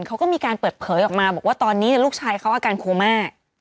เขาก็มีการเปิดเผยออกมาบอกว่าตอนนี้ลูกชายเขาอาการโคม่า